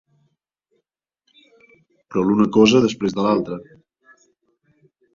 Però l’una cosa després de l’altra.